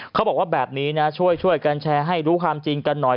เขาบอกว่าแบบนี้นะช่วยกันแชร์ให้รู้ความจริงกันหน่อย